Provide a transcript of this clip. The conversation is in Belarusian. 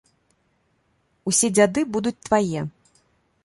Усе дзяды будуць твае!